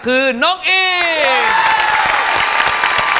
คือน้องอี